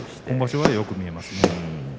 今場所は、よく見えます。